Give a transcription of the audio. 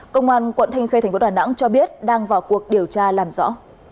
công an quận thanh khê tp đà nẵng cho biết đang vào cuộc điều tra làm rõ